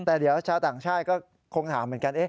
แต่เดี๋ยวชาวต่างชาติก็คงถามเหมือนกัน